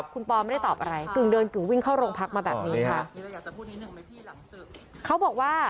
คุณปอไม่ได้ตอบอะไรกึ่งเดินกึ่งวิ่งเข้าโรงพักมาแบบนี้ค่ะเขาบอกว่า